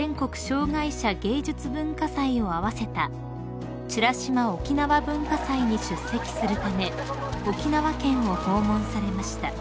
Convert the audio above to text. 障害者芸術・文化祭を合わせた美ら島おきなわ文化祭に出席するため沖縄県を訪問されました］